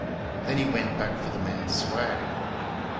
Then he went back for the man's swag.